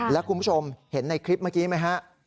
แล้วคุณผู้ชมเห็นในคลิปเมื่อกี้ไหมฮะ